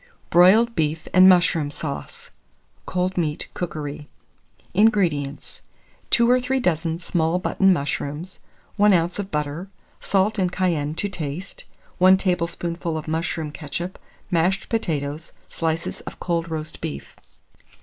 BROILED BEEF AND MUSHROOM SAUCE. (Cold Meat Cookery). 612. INGREDIENTS. 2 or 3 dozen small button mushrooms, 1 oz. of butter, salt and cayenne to taste, 1 tablespoonful of mushroom ketchup, mashed potatoes, slices of cold roast beef.